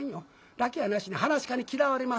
だけやなしに噺家に嫌われます。